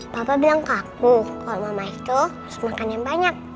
papa bilang kaku kalau mama itu harus makan yang banyak